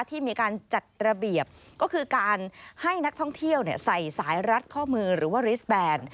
ที่มีการจัดระเบียบก็คือการให้นักท่องเที่ยวใส่สายรัดข้อมือหรือว่าริสแบน